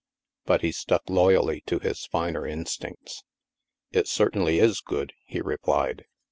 But he stuck loyally to his finer instincts. " It certainly is good," he replied.